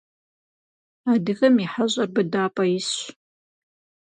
Адыгэм и хьэщӏэр быдапӏэ исщ.